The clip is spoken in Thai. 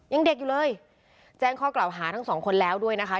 ยังเด็กอยู่เลยแจ้งข้อกล่าวหาทั้งสองคนแล้วด้วยนะคะ